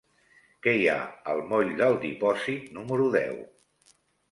Què hi ha al moll del Dipòsit número deu?